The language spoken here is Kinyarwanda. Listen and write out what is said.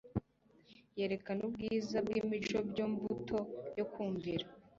yerekana ubwiza bw'imico byo mbuto yo kumvira.